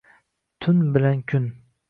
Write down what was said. Tun bilan kun